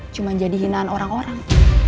cuma jadi hinaan orang orang